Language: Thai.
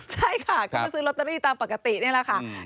ใช่ค่ะก็มาซื้อลอตเตอรี่ตามปกตินี่แหละค่ะ